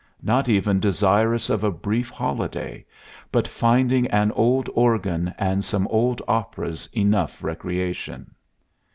Not even desirous of a brief holiday, but finding an old organ and some old operas enough recreation!